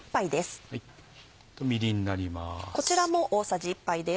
みりんになります。